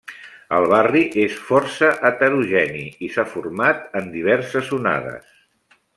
El barri és força heterogeni i s'ha format en diverses onades.